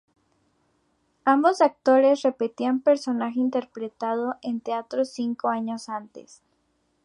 Ambos actores repetían personaje interpretado en teatro cinco años antes.